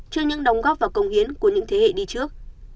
cho những đóng góp và công hiến của những thế hệ đi trước